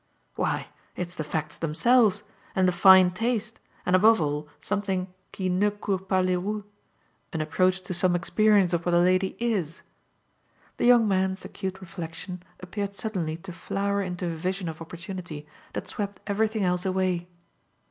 "Why, it's the facts themselves, and the fine taste, and above all something qui ne court pas les rues, an approach to some experience of what a lady IS." The young man's acute reflexion appeared suddenly to flower into a vision of opportunity that swept everything else away.